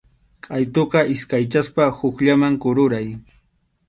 Qʼaytuta iskaychaspa hukllaman kururay.